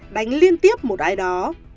đánh liên tiếp một ai đó